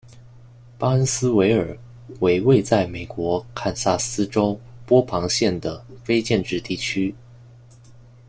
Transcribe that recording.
巴恩斯维尔为位在美国堪萨斯州波旁县的非建制地区。